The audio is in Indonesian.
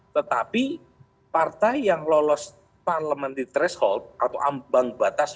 tetapi partai yang lolos parliamentary threshold atau ambang batas